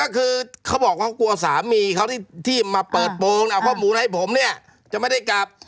คือเขาบอกว่ากลัวสามีเขาที่มาเปิดโปรงเอาข้อมูลให้ผมเนี่ยจะไม่ได้กลับ